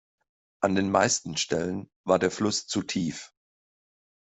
An den meisten Stellen war der Fluss zu tief.